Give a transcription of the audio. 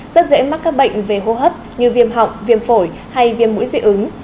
rất dễ mắc các bệnh về hô hấp như viêm họng viêm phổi hay viêm mũi dị ứng